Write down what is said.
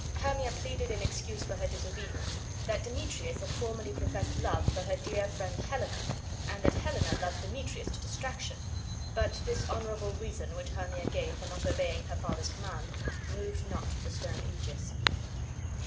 Hermia pleaded in excuse for her disobedience that Demetrius had formerly professed love for her dear friend Helena, and that Helena loved Demetrius to distraction; but this honorable reason, which Hermia gave for not obeying her father's command, moved not the stern Egeus.